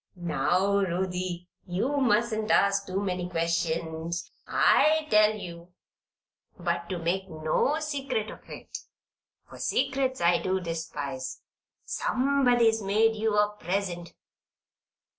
"Now Ruthie, you mustn't ask too many questions, I tell you. But to make no secret of it, for secrets I do despise, somebody's made you a present."